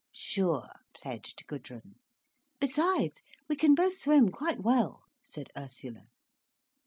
"Sure," pledged Gudrun. "Besides, we can both swim quite well," said Ursula.